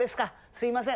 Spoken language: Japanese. すいません。